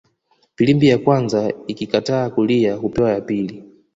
Filimbi ya kwanza ikikataa kulia hupewa ya pili